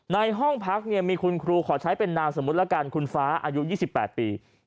ในห้องพักเนี่ยมีคุณครูขอใช้เป็นนามสมมุติแล้วกันคุณฟ้าอายุ๒๘ปี